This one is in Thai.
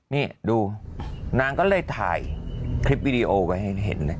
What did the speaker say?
นี่ดูนางก็เลยถ่ายคลิปวิดีโอไว้ให้เห็นเลย